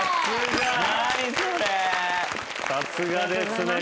さすがですね。